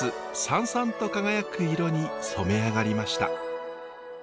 サンサンと輝く色に染め上がりました。